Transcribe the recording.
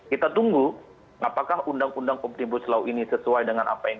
kita tunggu apakah undang undang omnibus law ini sesuai dengan apa yang